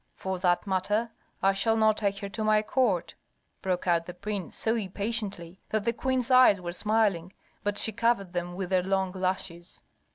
"For that matter, I shall not take her to my court!" broke out the prince, so impatiently that the queen's eyes were smiling, but she covered them with their long lashes.